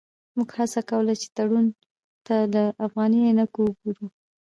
موږ هڅه کوله چې تړون ته له افغاني عینکو وګورو.